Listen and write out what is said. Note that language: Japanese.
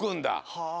はあ。